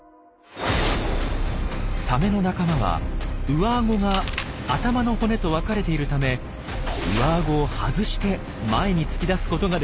サメの仲間は上アゴが頭の骨と分かれているため上アゴを外して前に突き出すことができます。